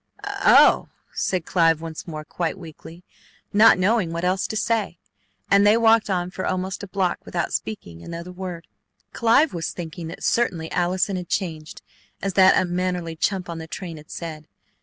"Oh!" said Clive once more, quite weakly, not knowing what else to say, and they walked on for almost a block without speaking another word. Clive was thinking that certainly Allison had changed, as that unmannerly chump on the train had said.